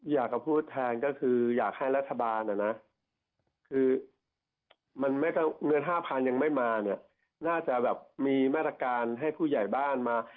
อยากจะพูดแทนก็คืออยากให้รัฐบาลนะคือมันเงิน๕๐๐ยังไม่มาเนี่ยน่าจะแบบมีมาตรการให้ผู้ใหญ่บ้านมา